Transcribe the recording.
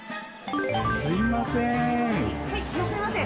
すいません。